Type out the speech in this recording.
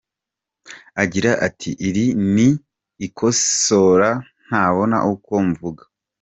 Agira ati “Iri ni ikosora ntabona uko mvuga.